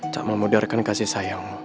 tak memudarkan kasih sayangmu